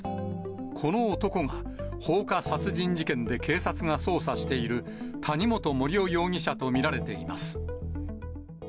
この男が放火殺人事件で警察が捜査している、谷本盛雄容疑者と見られています。